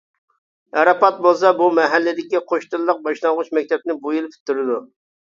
ئاراپات بولسا بۇ مەھەللىدىكى «قوش تىللىق» باشلانغۇچ مەكتەپنى بۇ يىل پۈتتۈرىدۇ.